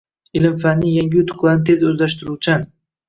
ilm-fanning yangi yutuqlarini tez o‘zlashtiruvchan